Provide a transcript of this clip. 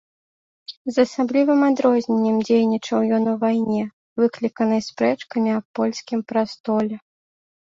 З асаблівым адрозненнем дзейнічаў ён у вайне, выкліканай спрэчкамі аб польскім прастоле.